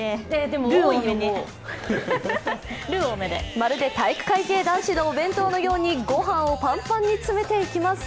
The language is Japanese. まるで体育会系男子のお弁当のようにご飯をパンパンに詰めていきます。